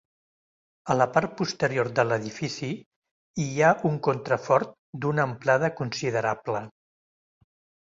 A la part posterior de l'edifici hi ha un contrafort d'una amplada considerable.